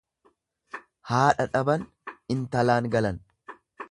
Haadha dhaban intalaan galan.